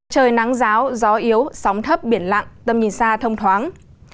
trời nắng giáo gió yếu sóng thấp biển lặng tâm nhìn xa thông thoáng